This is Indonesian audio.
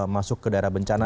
masuk ke daerah bencana